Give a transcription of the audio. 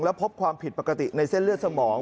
พบความผิดปกติในเส้นเลือดสมอง